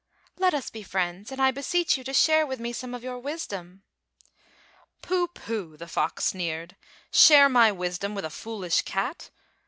Let us be friends, and I beseech you to share with me some of your wisdom." "Pooh, pooh!" the fox sneered; "share my wisdom with a foolish cat!